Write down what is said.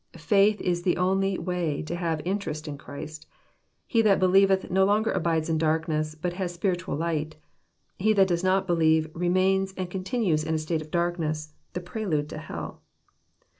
— ^Faith is the only way to have interest in Christ. — He that believeth no longer abides in darkness, but has spiritual light. — He that does not believe remains and continues in a state of darkness, the prelude to hell.